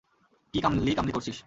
কি কামলি কামলি করছিস।